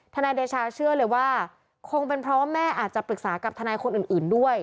นายเดชาเชื่อเลยว่าคงเป็นเพราะว่าแม่อาจจะปรึกษากับทนายคนอื่นด้วย